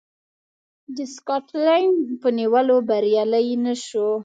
د سکاټلنډ په نیولو بریالی نه شو.